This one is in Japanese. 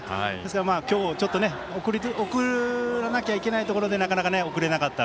今日ちょっと、送らなきゃいけないところでなかなか送れなかった。